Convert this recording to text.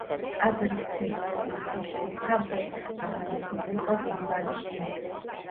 ტაძრის ცენტრალური სივრცის თავზე აღმართული იყო გუმბათი.